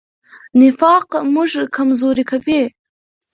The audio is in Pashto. نفاق موږ کمزوري کوي.